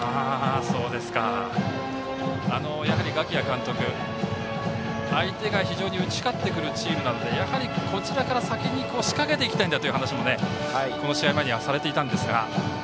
やはり我喜屋監督、相手が打ち勝ってくるチームなのでやはり、こちらから先に仕掛けていきたいという話を試合前にはされていたんですが。